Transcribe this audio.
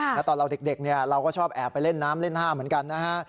แล้วตอนเราเด็กเนี่ยเราก็ชอบแอบไปเล่นน้ำเล่นท่าเหมือนกันนะฮะ